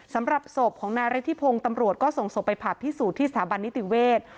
สำหรับศพของนายฤทธิพงศ์ตำรวจก็ส่งศพไปผ่าพิสูจน์ที่สถาบันนิติเวศ